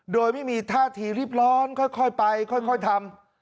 โดยไม่มีท่าทีรีบร้อนค่อยไปค่อยทำ